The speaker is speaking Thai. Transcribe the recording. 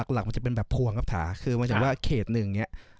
หลักมันจะเป็นแบบพวงครับถาคือมาจากว่าเขตหนึ่งเนี่ย